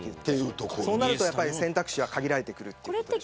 そうなると選択肢は限られてくる。